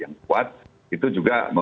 yang kuat itu juga